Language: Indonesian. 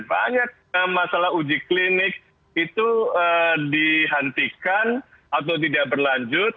banyak masalah uji klinik itu dihentikan atau tidak berlanjut